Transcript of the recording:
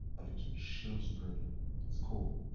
He was educated at Brighton College and Shrewsbury School.